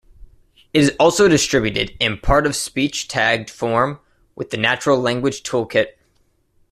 It is also distributed in part-of-speech tagged form with the Natural Language Toolkit.